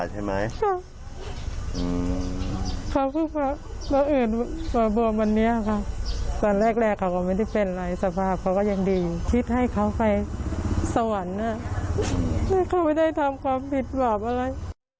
แต่เขาก็ยังดีคิดให้เขาไปสวรรค์แม่เขาไม่ได้ทำความผิดบาปอะไร